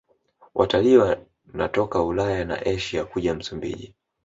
Watalii wanatoka Ulaya na Asia kuja Msumbiji